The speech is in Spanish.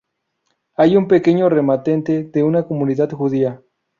Hay un pequeño remanente de una comunidad judía.